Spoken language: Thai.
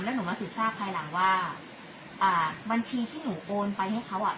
แล้วหนูมาสืบทราบภายหลังว่าอ่าบัญชีที่หนูโอนไปให้เขาอ่ะ